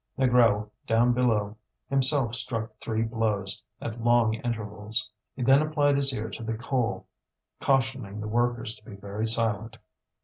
Négrel, down below, himself struck three blows, at long intervals. He then applied his ear to the coal, cautioning the workers to be very silent.